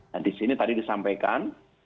nah di sini tadi disampaikan